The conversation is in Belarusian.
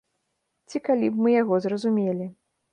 Ці калі б мы яго зразумелі.